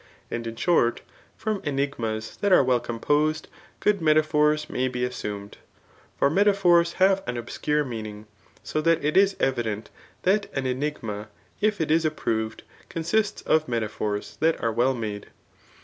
And in short, from enigmas that are well composed, good metaphors majr be assumed. For metaphors have an obscure meaning; so that it is evident that an enigma if it is approved consists of metaphors that are weU made.